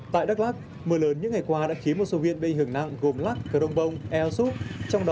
tại đắc lắc mưa lớn những ngày qua đã khiến một số huyện bị ảnh hưởng nặng gồm lắc cờ đông bông eo súc